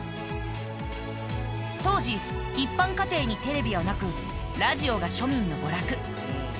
当時一般家庭にテレビはなくラジオが庶民の娯楽。